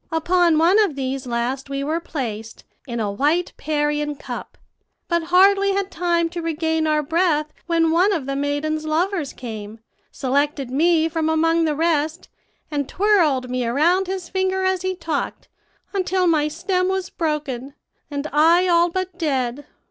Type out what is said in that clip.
Upon one of these last we were placed, in a white Parian cup, but hardly had time to regain our breath when one of the maiden's lovers came, selected me from among the rest, and twirled me around his finger as he talked, until my stem was broken, and I all but dead.